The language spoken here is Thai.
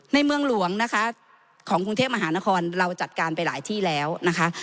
ในเมืองหลวงนะคะของกรุงเทพมหานครเราจัดการไปหลายที่แล้วนะคะ